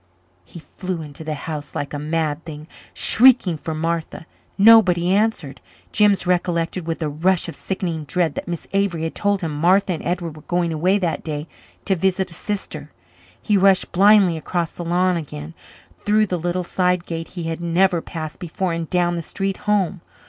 He flew into the house like a mad thing, shrieking for Martha. Nobody answered. Jims recollected, with a rush of sickening dread, that Miss Avery had told him Martha and Edward were going away that day to visit a sister. He rushed blindly across the lawn again, through the little side gate he had never passed before and down the street home.